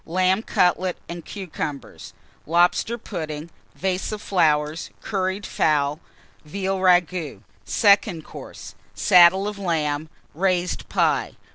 _ Lamb Cutlets and Cucumbers. Lobster Pudding. Vase of Curried Fowl. Flowers. Veal Ragoût. Second Course. Saddle of Lamb. Raised Pie.